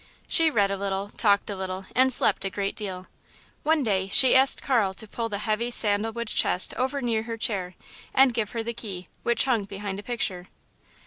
She read a little, talked a little, and slept a great deal. One day she asked Carl to pull the heavy sandal wood chest over near her chair, and give her the key, which hung behind a picture.